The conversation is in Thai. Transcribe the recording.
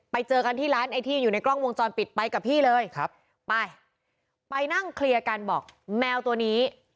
ไปเจอกันที่ร้านไอ้ที่อยู่ในกล้องวงจรปิดไปกับพี่เลยครับไปไปนั่งเคลียร์กันบอกแมวตัวนี้